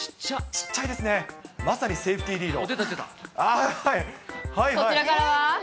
ちっちゃいですね、まさにセーフティリード。